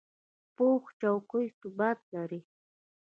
پوخ چوکۍ ثبات لري